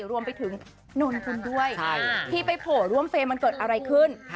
รวมไปถึงนนกุลด้วยที่ไปโผล่ร่วมเฟรมมันเกิดอะไรขึ้น